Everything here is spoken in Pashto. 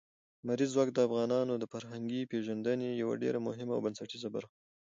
لمریز ځواک د افغانانو د فرهنګي پیژندنې یوه ډېره مهمه او بنسټیزه برخه ده.